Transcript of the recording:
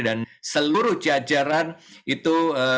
dan seluruh jajaran itu